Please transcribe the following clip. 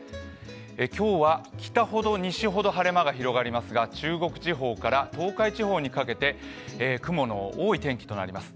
今日は北ほど西ほど晴れ間が広がりますが中国地方から、東海地方にかけて雲の多い天気となります。